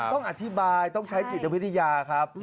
ต้องอธิบายต้องใช้จิตวิทยาครับ